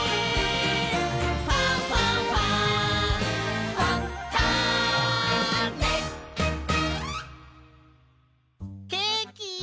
「ファンファンファン」ケーキ！